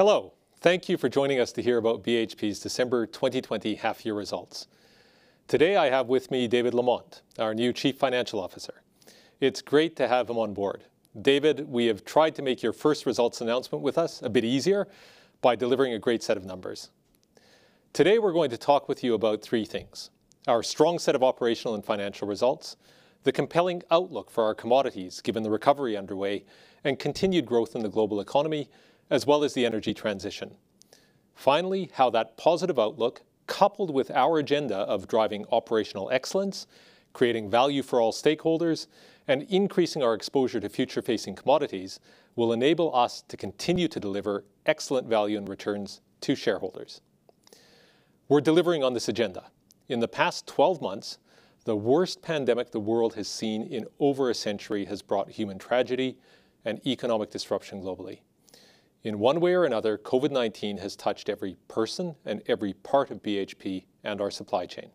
Hello. Thank you for joining us to hear about BHP's December 2020 half-year results. Today, I have with me David Lamont, our new Chief Financial Officer. It's great to have him on board. David, we have tried to make your first results announcement with us a bit easier by delivering a great set of numbers. Today, we're going to talk with you about three things: our strong set of operational and financial results, the compelling outlook for our commodities given the recovery underway, and continued growth in the global economy, as well as the energy transition. Finally, how that positive outlook, coupled with our agenda of driving operational excellence, creating value for all stakeholders, and increasing our exposure to future-facing commodities, will enable us to continue to deliver excellent value and returns to shareholders. We're delivering on this agenda. In the past 12 months, the worst pandemic the world has seen in over a century has brought human tragedy and economic disruption globally. In one way or another, COVID-19 has touched every person and every part of BHP and our supply chain.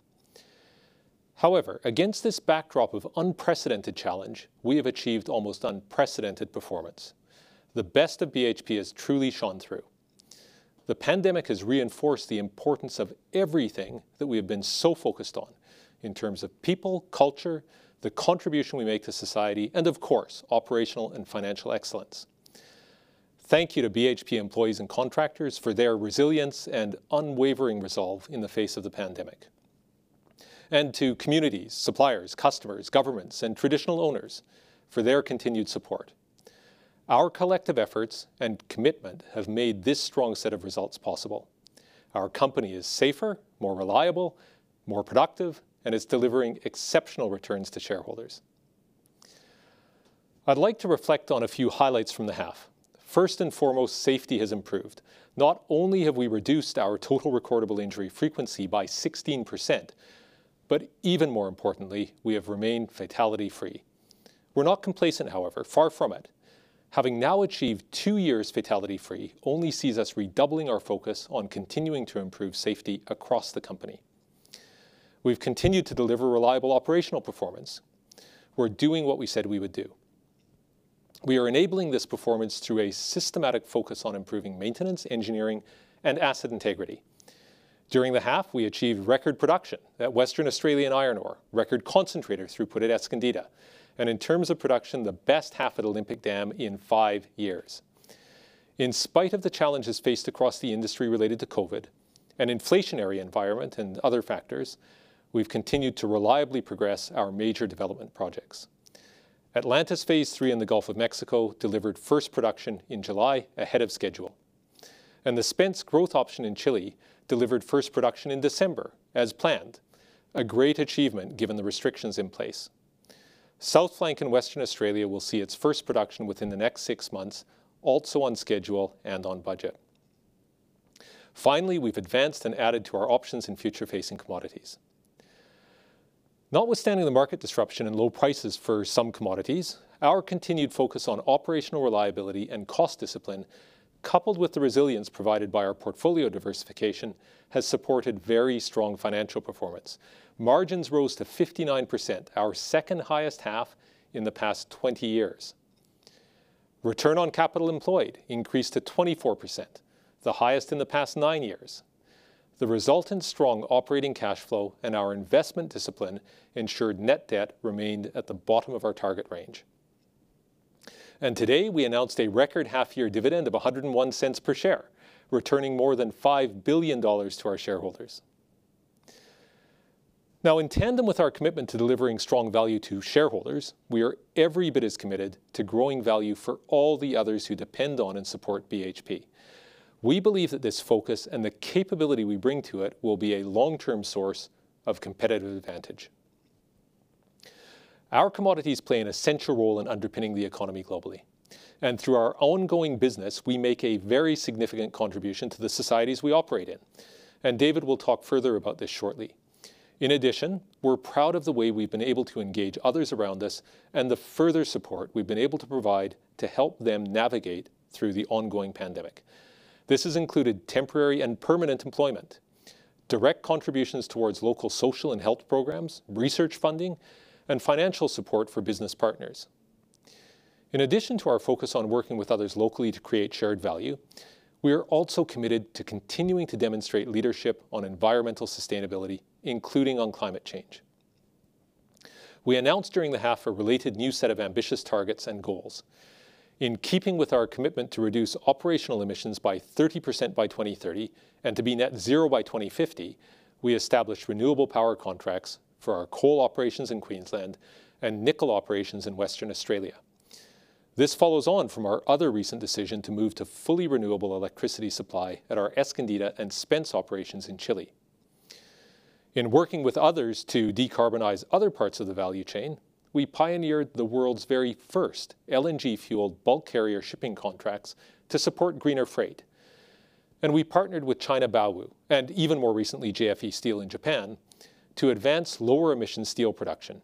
However, against this backdrop of unprecedented challenge, we have achieved almost unprecedented performance. The best of BHP has truly shone through. The pandemic has reinforced the importance of everything that we have been so focused on in terms of people, culture, the contribution we make to society, and of course, operational and financial excellence. Thank you to BHP employees and contractors for their resilience and unwavering resolve in the face of the pandemic, and to communities, suppliers, customers, governments, and traditional owners for their continued support. Our collective efforts and commitment have made this strong set of results possible. Our company is safer, more reliable, more productive, and is delivering exceptional returns to shareholders. I'd like to reflect on a few highlights from the half. First and foremost, safety has improved. Not only have we reduced our total recordable injury frequency by 16%, but even more importantly, we have remained fatality-free. We're not complacent, however, far from it. Having now achieved two years fatality-free only sees us redoubling our focus on continuing to improve safety across the company. We've continued to deliver reliable operational performance. We're doing what we said we would do. We are enabling this performance through a systematic focus on improving maintenance, engineering, and asset integrity. During the half, we achieved record production at Western Australian Iron Ore, record concentrator throughput at Escondida, and in terms of production, the best half at Olympic Dam in five years. In spite of the challenges faced across the industry related to COVID-19, an inflationary environment, and other factors, we've continued to reliably progress our major development projects. Atlantis Phase 3 in the Gulf of Mexico delivered first production in July, ahead of schedule. The Spence growth option in Chile delivered first production in December, as planned, a great achievement given the restrictions in place. South Flank in Western Australia will see its first production within the next six months, also on schedule and on budget. Finally, we've advanced and added to our options in future-facing commodities. Notwithstanding the market disruption and low prices for some commodities, our continued focus on operational reliability and cost discipline, coupled with the resilience provided by our portfolio diversification, has supported very strong financial performance. Margins rose to 59%, our second highest half in the past 20 years. Return on capital employed increased to 24%, the highest in the past nine years. The resultant strong operating cash flow and our investment discipline ensured net debt remained at the bottom of our target range. Today, we announced a record half-year dividend of $1.01 per share, returning more than $5 billion to our shareholders. Now, in tandem with our commitment to delivering strong value to shareholders, we are every bit as committed to growing value for all the others who depend on and support BHP. We believe that this focus and the capability we bring to it will be a long-term source of competitive advantage. Our commodities play an essential role in underpinning the economy globally, and through our ongoing business, we make a very significant contribution to the societies we operate in. David will talk further about this shortly. In addition, we're proud of the way we've been able to engage others around us and the further support we've been able to provide to help them navigate through the ongoing pandemic. This has included temporary and permanent employment, direct contributions towards local social and health programs, research funding, and financial support for business partners. In addition to our focus on working with others locally to create shared value, we are also committed to continuing to demonstrate leadership on environmental sustainability, including on climate change. We announced during the half a related new set of ambitious targets and goals. In keeping with our commitment to reduce operational emissions by 30% by 2030 and to be net zero by 2050, we established renewable power contracts for our coal operations in Queensland and nickel operations in Western Australia. This follows on from our other recent decision to move to fully renewable electricity supply at our Escondida and Spence operations in Chile. In working with others to decarbonize other parts of the value chain, we pioneered the world's very first LNG-fueled bulk carrier shipping contracts to support greener freight. We partnered with China Baowu, and even more recently, JFE Steel in Japan, to advance lower emission steel production.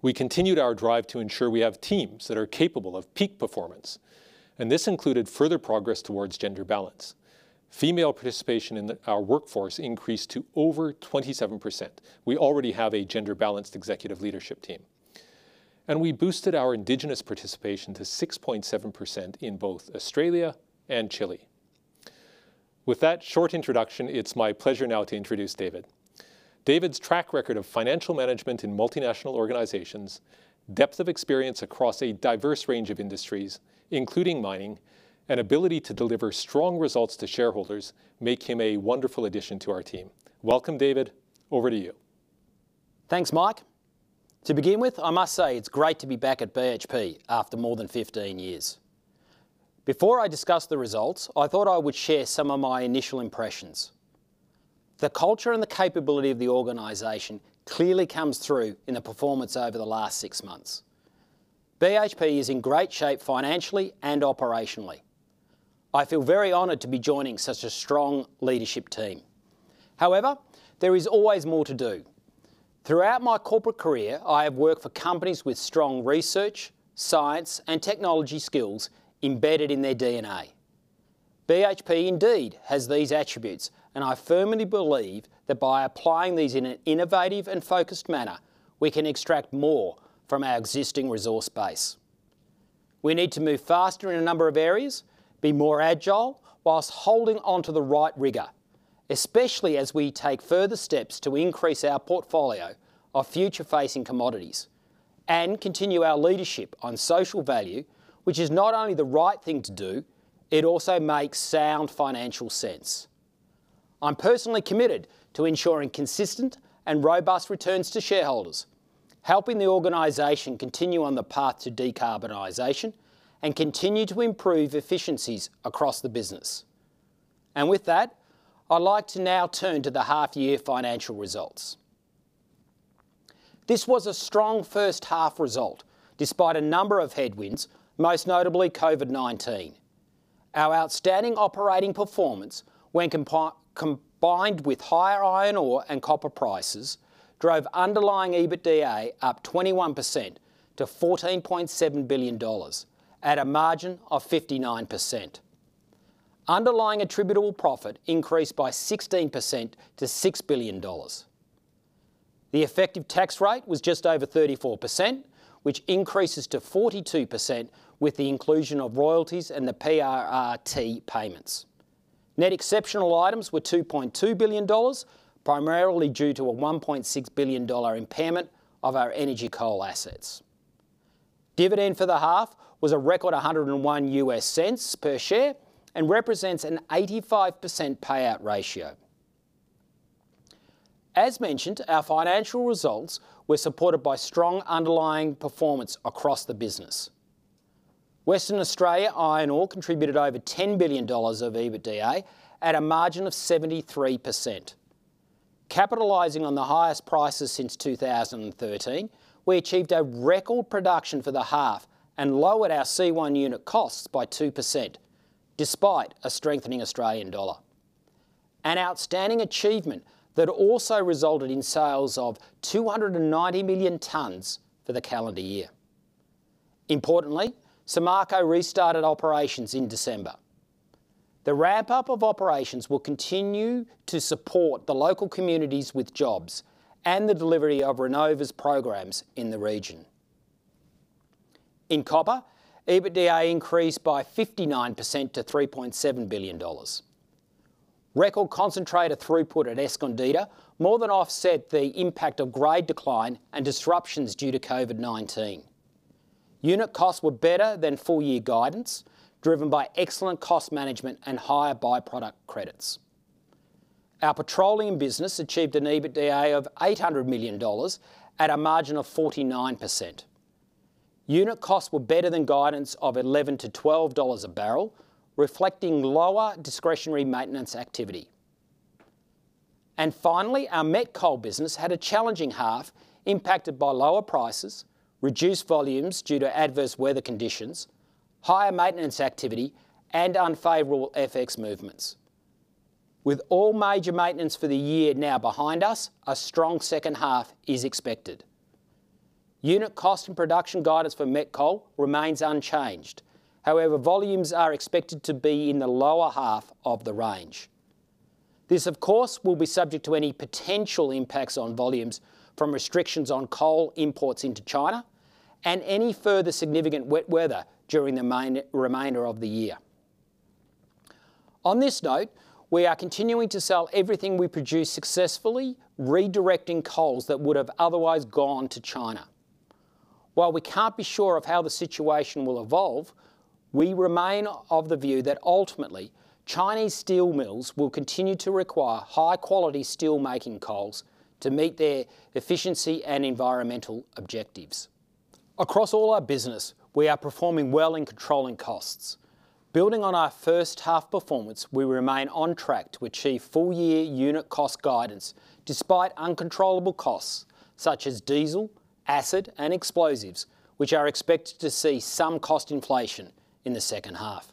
We continued our drive to ensure we have teams that are capable of peak performance, and this included further progress towards gender balance. Female participation in our workforce increased to over 27%. We already have a gender-balanced executive leadership team. We boosted our indigenous participation to 6.7% in both Australia and Chile. With that short introduction, it's my pleasure now to introduce David. David's track record of financial management in multinational organizations, depth of experience across a diverse range of industries, including mining, and ability to deliver strong results to shareholders make him a wonderful addition to our team. Welcome, David. Over to you. Thanks, Mike. To begin with, I must say it's great to be back at BHP after more than 15 years. Before I discuss the results, I thought I would share some of my initial impressions. The culture and the capability of the organization clearly comes through in the performance over the last six months. BHP is in great shape financially and operationally. I feel very honored to be joining such a strong leadership team. However, there is always more to do. Throughout my corporate career, I have worked for companies with strong research, science, and technology skills embedded in their DNA. BHP indeed has these attributes, and I firmly believe that by applying these in an innovative and focused manner, we can extract more from our existing resource base. We need to move faster in a number of areas, be more agile, while holding onto the right rigor, especially as we take further steps to increase our portfolio of future-facing commodities and continue our leadership on social value, which is not only the right thing to do, it also makes sound financial sense. I'm personally committed to ensuring consistent and robust returns to shareholders, helping the organization continue on the path to decarbonization and continue to improve efficiencies across the business. With that, I'd like to now turn to the half-year financial results. This was a strong first-half result, despite a number of headwinds, most notably COVID-19. Our outstanding operating performance, when combined with higher iron ore and copper prices, drove underlying EBITDA up 21% to $14.7 billion, at a margin of 59%. Underlying attributable profit increased by 16% to $6 billion. The effective tax rate was just over 34%, which increases to 42% with the inclusion of royalties and the PRRT payments. Net exceptional items were $2.2 billion, primarily due to a $1.6 billion impairment of our energy coal assets. Dividend for the half was a record $1.01 per share and represents an 85% payout ratio. As mentioned, our financial results were supported by strong underlying performance across the business. Western Australian Iron Ore contributed over $10 billion of EBITDA at a margin of 73%. Capitalizing on the highest prices since 2013, we achieved a record production for the half and lowered our C1 unit costs by 2%, despite a strengthening Australian dollar, an outstanding achievement that also resulted in sales of 290 million tons for the calendar year. Importantly, Samarco restarted operations in December. The ramp-up of operations will continue to support the local communities with jobs and the delivery of Renova's programs in the region. In copper, EBITDA increased by 59% to $3.7 billion. Record concentrator throughput at Escondida more than offset the impact of grade decline and disruptions due to COVID-19. Unit costs were better than full-year guidance, driven by excellent cost management and higher by-product credits. Our Petroleum business achieved an EBITDA of $800 million at a margin of 49%. Unit costs were better than guidance of $11 to $12 a barrel, reflecting lower discretionary maintenance activity. Finally, our met coal business had a challenging half, impacted by lower prices, reduced volumes due to adverse weather conditions, higher maintenance activity, and unfavorable FX movements. With all major maintenance for the year now behind us, a strong second half is expected. Unit cost and production guidance for met coal remains unchanged. Volumes are expected to be in the lower half of the range. This, of course, will be subject to any potential impacts on volumes from restrictions on coal imports into China and any further significant wet weather during the remainder of the year. On this note, we are continuing to sell everything we produce successfully, redirecting coals that would have otherwise gone to China. While we can't be sure of how the situation will evolve, we remain of the view that ultimately, Chinese steel mills will continue to require high-quality steel-making coals to meet their efficiency and environmental objectives. Across all our business, we are performing well in controlling costs. Building on our first half performance, we remain on track to achieve full year unit cost guidance, despite uncontrollable costs such as diesel, acid, and explosives, which are expected to see some cost inflation in the second half.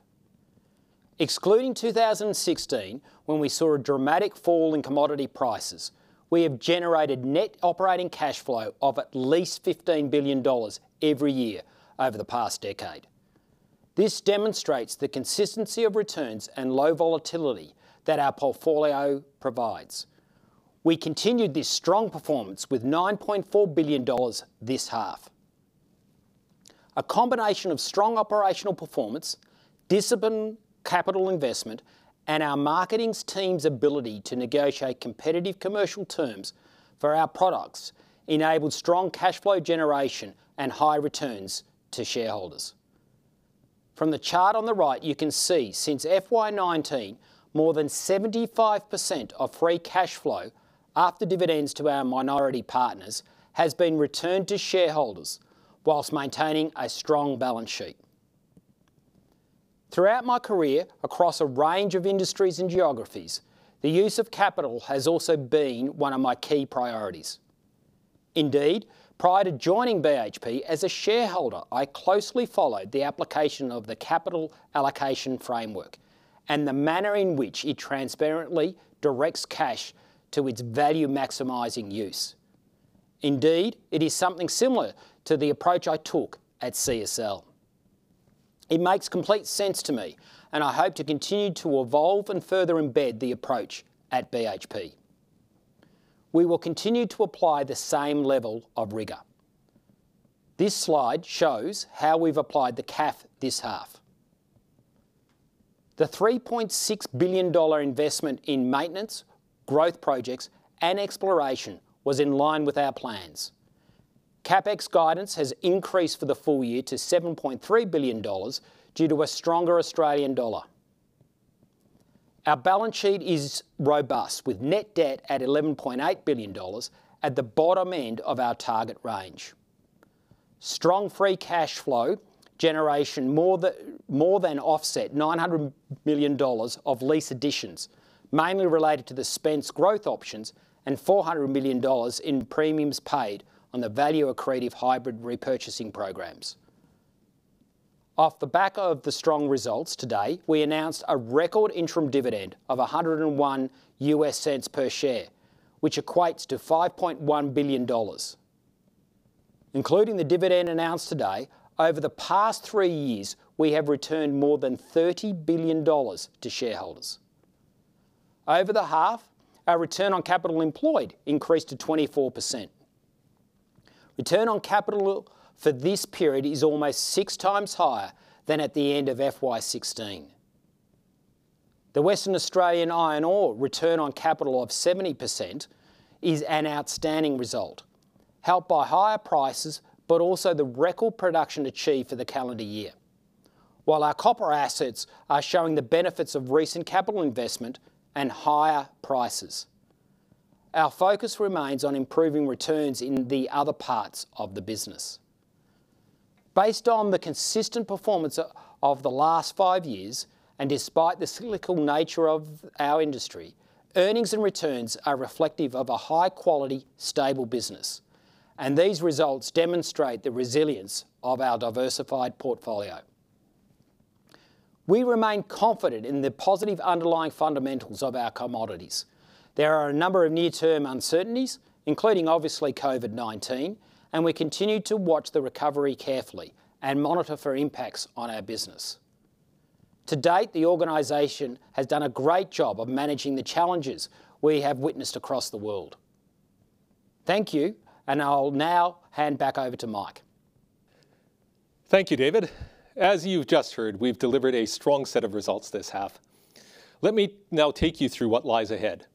Excluding 2016, when we saw a dramatic fall in commodity prices, we have generated net operating cash flow of at least $15 billion every year over the past decade. This demonstrates the consistency of returns and low volatility that our portfolio provides. We continued this strong performance with $9.4 billion this half. A combination of strong operational performance, disciplined capital investment, and our marketing team's ability to negotiate competitive commercial terms for our products enabled strong cash flow generation and high returns to shareholders. From the chart on the right, you can see since FY 2019, more than 75% of free cash flow after dividends to our minority partners has been returned to shareholders while maintaining a strong balance sheet. Throughout my career, across a range of industries and geographies, the use of capital has also been one of my key priorities. Indeed, prior to joining BHP, as a shareholder, I closely followed the application of the capital allocation framework and the manner in which it transparently directs cash to its value-maximizing use. Indeed, it is something similar to the approach I took at CSL. It makes complete sense to me, and I hope to continue to evolve and further embed the approach at BHP. We will continue to apply the same level of rigor. This slide shows how we've applied the CAF this half. The $3.6 billion investment in maintenance, growth projects, and exploration was in line with our plans. CapEx guidance has increased for the full year to $7.3 billion due to a stronger Australian dollar. Our balance sheet is robust, with net debt at $11.8 billion at the bottom end of our target range. Strong free cash flow generation more than offset $900 million of lease additions, mainly related to the Spence growth options and $400 million in premiums paid on the value-accretive hybrid repurchasing programs. Off the back of the strong results today, we announced a record interim dividend of $1.01 per share, which equates to $5.1 billion. Including the dividend announced today, over the past three years, we have returned more than $30 billion to shareholders. Over the half, our return on capital employed increased to 24%. Return on capital for this period is almost six times higher than at the end of FY 2016. The Western Australian Iron Ore return on capital of 70% is an outstanding result, helped by higher prices, but also the record production achieved for the calendar year. While our copper assets are showing the benefits of recent capital investment and higher prices, our focus remains on improving returns in the other parts of the business. Based on the consistent performance of the last five years, and despite the cyclical nature of our industry, earnings and returns are reflective of a high-quality, stable business, and these results demonstrate the resilience of our diversified portfolio. We remain confident in the positive underlying fundamentals of our commodities. There are a number of near-term uncertainties, including obviously COVID-19, and we continue to watch the recovery carefully and monitor for impacts on our business. To date, the organization has done a great job of managing the challenges we have witnessed across the world. Thank you, and I'll now hand back over to Mike. Thank you, David. As you've just heard, we've delivered a strong set of results this half. Let me now take you through what lies ahead.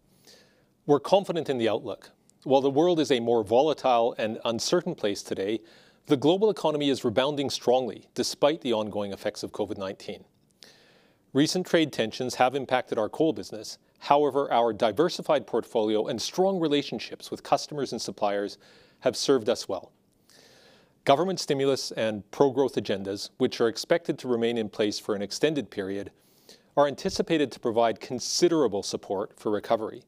We're confident in the outlook. While the world is a more volatile and uncertain place today, the global economy is rebounding strongly despite the ongoing effects of COVID-19. Recent trade tensions have impacted our coal business. However, our diversified portfolio and strong relationships with customers and suppliers have served us well. Government stimulus and pro-growth agendas, which are expected to remain in place for an extended period, are anticipated to provide considerable support for recovery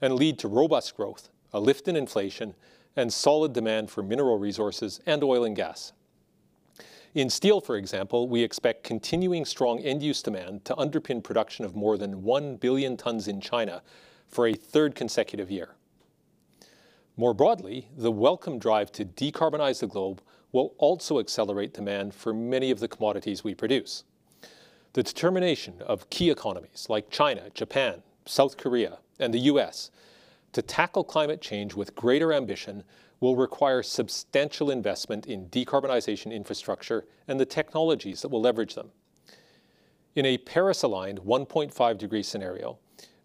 and lead to robust growth, a lift in inflation, and solid demand for mineral resources and oil and gas. In steel, for example, we expect continuing strong end-use demand to underpin production of more than 1 billion tons in China for a third consecutive year. More broadly, the welcome drive to decarbonize the globe will also accelerate demand for many of the commodities we produce. The determination of key economies like China, Japan, South Korea, and the U.S. to tackle climate change with greater ambition will require substantial investment in decarbonization infrastructure and the technologies that will leverage them. In a Paris-aligned 1.5 degree scenario,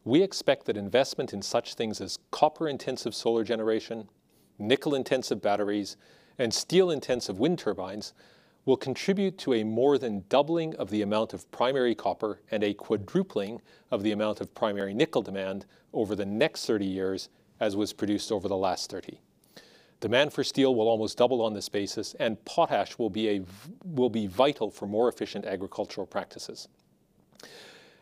we expect that investment in such things as copper-intensive solar generation, nickel-intensive batteries, and steel-intensive wind turbines will contribute to a more than doubling of the amount of primary copper and a quadrupling of the amount of primary nickel demand over the next 30 years, as was produced over the last 30 years. Demand for steel will almost double on this basis, and potash will be vital for more efficient agricultural practices.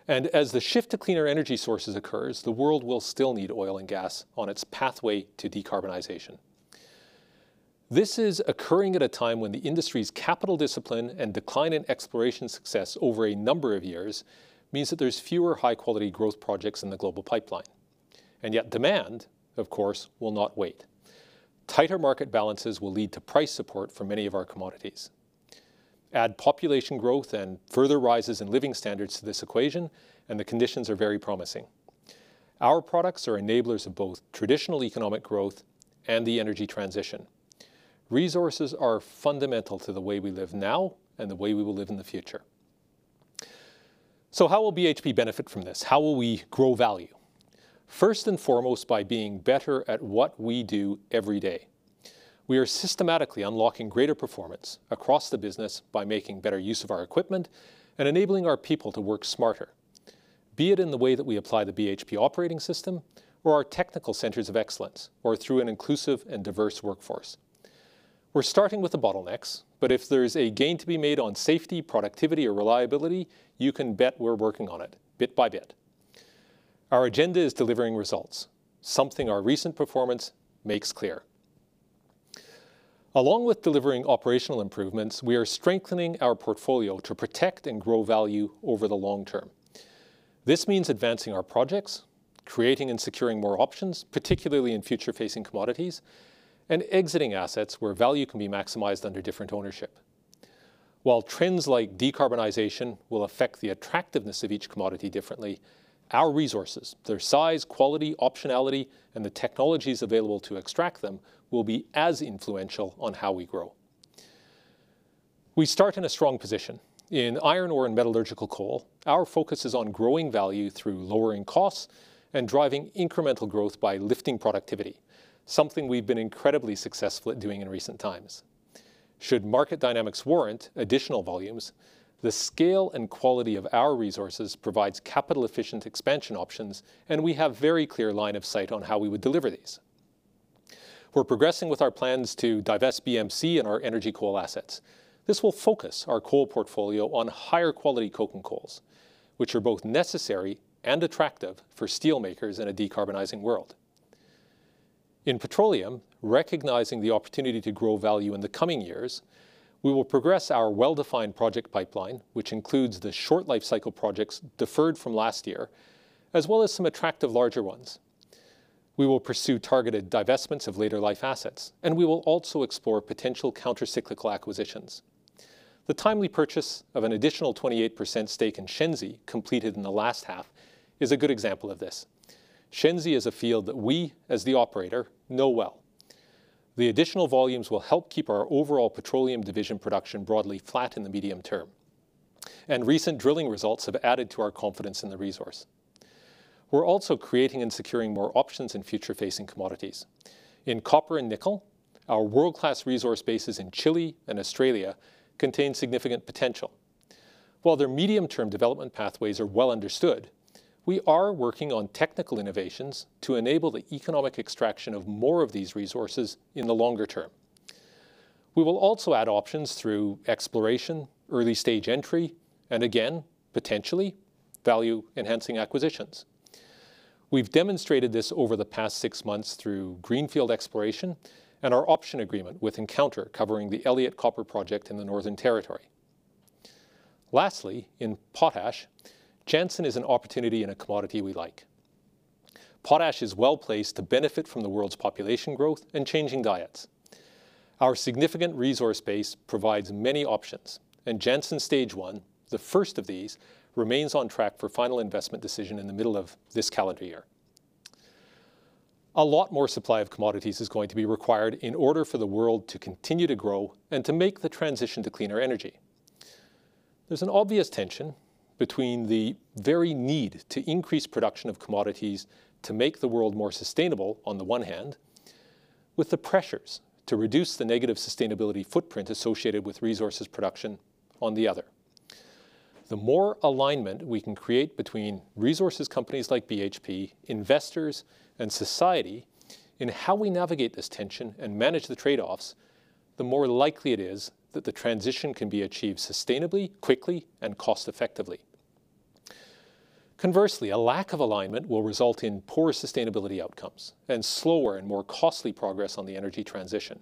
As the shift to cleaner energy sources occurs, the world will still need oil and gas on its pathway to decarbonization. This is occurring at a time when the industry's capital discipline and decline in exploration success over a number of years means that there's fewer high-quality growth projects in the global pipeline. Yet demand, of course, will not wait. Tighter market balances will lead to price support for many of our commodities. Add population growth and further rises in living standards to this equation, and the conditions are very promising. Our products are enablers of both traditional economic growth and the energy transition. Resources are fundamental to the way we live now and the way we will live in the future. How will BHP benefit from this? How will we grow value? First and foremost, by being better at what we do every day. We are systematically unlocking greater performance across the business by making better use of our equipment and enabling our people to work smarter, be it in the way that we apply the BHP Operating System or our technical centers of excellence, or through an inclusive and diverse workforce. We're starting with the bottlenecks, but if there's a gain to be made on safety, productivity or reliability, you can bet we're working on it, bit by bit. Our agenda is delivering results, something our recent performance makes clear. Along with delivering operational improvements, we are strengthening our portfolio to protect and grow value over the long term. This means advancing our projects, creating and securing more options, particularly in future-facing commodities, and exiting assets where value can be maximized under different ownership. While trends like decarbonization will affect the attractiveness of each commodity differently, our resources, their size, quality, optionality, and the technologies available to extract them will be as influential on how we grow. We start in a strong position. In iron ore and metallurgical coal, our focus is on growing value through lowering costs and driving incremental growth by lifting productivity, something we've been incredibly successful at doing in recent times. Should market dynamics warrant additional volumes, the scale and quality of our resources provides capital-efficient expansion options, and we have very clear line of sight on how we would deliver these. We're progressing with our plans to divest BMC and our energy coal assets. This will focus our coal portfolio on higher quality coking coals, which are both necessary and attractive for steelmakers in a decarbonizing world. In petroleum, recognizing the opportunity to grow value in the coming years, we will progress our well-defined project pipeline, which includes the short lifecycle projects deferred from last year, as well as some attractive larger ones. We will pursue targeted divestments of later life assets, and we will also explore potential counter-cyclical acquisitions. The timely purchase of an additional 28% stake in Shenzi completed in the last half is a good example of this. Shenzi is a field that we, as the operator, know well. The additional volumes will help keep our overall petroleum division production broadly flat in the medium term, and recent drilling results have added to our confidence in the resource. We're also creating and securing more options in future-facing commodities. In copper and nickel, our world-class resource bases in Chile and Australia contain significant potential. While their medium-term development pathways are well understood, we are working on technical innovations to enable the economic extraction of more of these resources in the longer term. We will also add options through exploration, early-stage entry, and again, potentially, value-enhancing acquisitions. We've demonstrated this over the past six months through greenfield exploration and our option agreement with Encounter covering the Elliott Copper Project in the Northern Territory. Lastly, in potash, Jansen is an opportunity in a commodity we like. Potash is well-placed to benefit from the world's population growth and changing diets. Our significant resource base provides many options, and Jansen Stage 1, the first of these, remains on track for final investment decision in the middle of this calendar year. A lot more supply of commodities is going to be required in order for the world to continue to grow and to make the transition to cleaner energy. There's an obvious tension between the very need to increase production of commodities to make the world more sustainable on the one hand, with the pressures to reduce the negative sustainability footprint associated with resources production on the other. The more alignment we can create between resources companies like BHP, investors, and society in how we navigate this tension and manage the trade-offs, the more likely it is that the transition can be achieved sustainably, quickly, and cost-effectively. Conversely, a lack of alignment will result in poor sustainability outcomes and slower and more costly progress on the energy transition.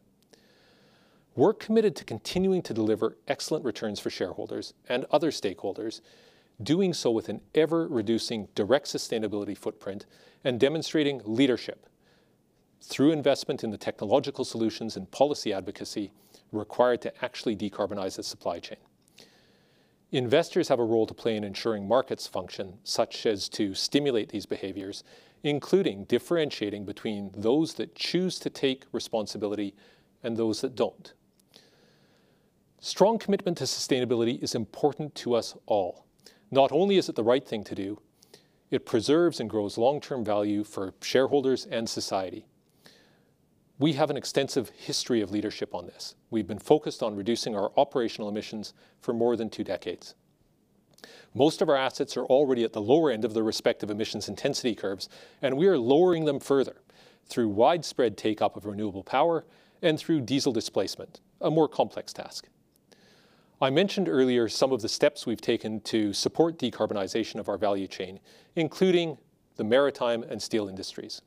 We're committed to continuing to deliver excellent returns for shareholders and other stakeholders, doing so with an ever-reducing direct sustainability footprint and demonstrating leadership through investment in the technological solutions and policy advocacy required to actually decarbonize the supply chain. Investors have a role to play in ensuring markets function such as to stimulate these behaviors, including differentiating between those that choose to take responsibility and those that don't. Strong commitment to sustainability is important to us all. Not only is it the right thing to do, it preserves and grows long-term value for shareholders and society. We have an extensive history of leadership on this. We've been focused on reducing our operational emissions for more than two decades. Most of our assets are already at the lower end of their respective emissions intensity curves, and we are lowering them further through widespread take-up of renewable power and through diesel displacement, a more complex task. I mentioned earlier some of the steps we've taken to support decarbonization of our value chain, including the maritime and steel industries.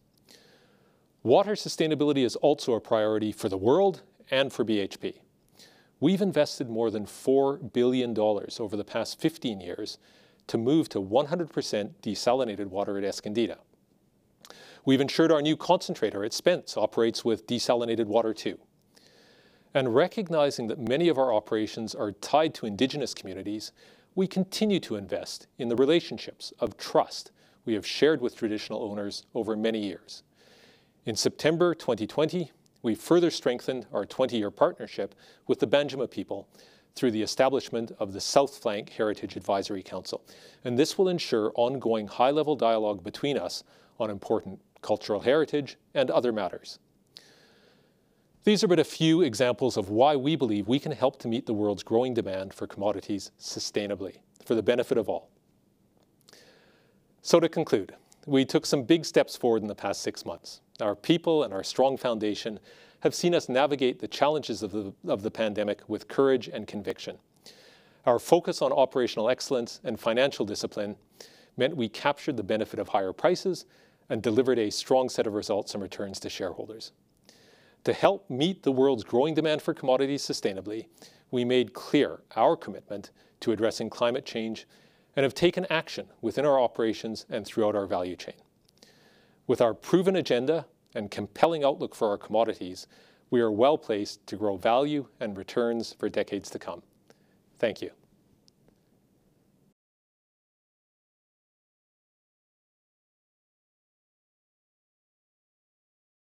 Water sustainability is also a priority for the world and for BHP. We've invested more than $4 billion over the past 15 years to move to 100% desalinated water at Escondida. We've ensured our new concentrator at Spence operates with desalinated water, too. Recognizing that many of our operations are tied to indigenous communities, we continue to invest in the relationships of trust we have shared with traditional owners over many years. In September 2020, we further strengthened our 20-year partnership with the Banjima people through the establishment of the South Flank Heritage Advisory Council. This will ensure ongoing high-level dialogue between us on important cultural heritage and other matters. These are but a few examples of why we believe we can help to meet the world's growing demand for commodities sustainably for the benefit of all. To conclude, we took some big steps forward in the past six months. Our people and our strong foundation have seen us navigate the challenges of the pandemic with courage and conviction. Our focus on operational excellence and financial discipline meant we captured the benefit of higher prices and delivered a strong set of results and returns to shareholders. To help meet the world's growing demand for commodities sustainably, we made clear our commitment to addressing climate change and have taken action within our operations and throughout our value chain. With our proven agenda and compelling outlook for our commodities, we are well-placed to grow value and returns for decades to come. Thank you.